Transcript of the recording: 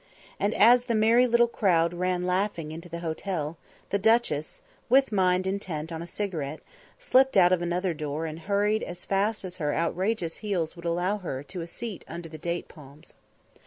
And as the merry little crowd ran laughing into the hotel, the duchess, with mind intent on a cigarette, slipped out of another door and hurried as fast as her outrageous heels would allow her to a seat under the date palms.